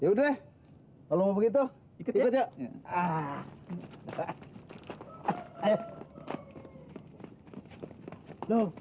yaudah kalau mau begitu ikut yuk